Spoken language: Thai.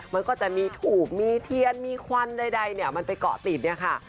มันก็จะมีถูบมีเทียดมีควันใดมันไปเกาะติดค่ะ